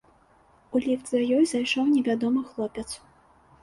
У ліфт за ёй зайшоў невядомы хлопец.